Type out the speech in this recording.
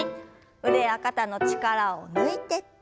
腕や肩の力を抜いて。